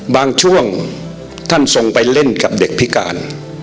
บางช่วงท่านทรงไปเล่นกับเด็กพิการ